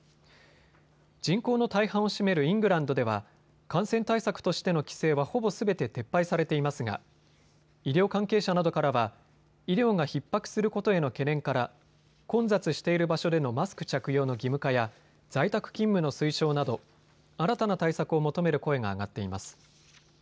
人口の大半を占めるイングランドでは感染対策としての規制はほぼすべて撤廃されていますが医療関係者などからは医療がひっ迫することへの懸念から混雑している場所でのマスク着用の義務化や在宅勤務の推奨など新たな対策を求める声が上がっています。